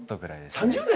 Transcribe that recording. ３０年！？